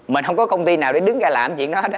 mình không có công ty nào để đứng ra làm chuyện đó hết đó